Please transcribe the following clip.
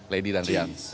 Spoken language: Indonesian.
lady dan rian